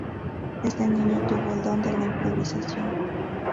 Desde niño tuvo el don de la improvisación.